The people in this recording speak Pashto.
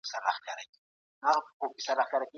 د کار ځواک د روزنې پروګرامونه د تولید کیفیت بدلوي.